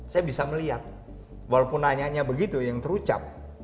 saya bisa melihat walaupun nanya nya begitu yang terucap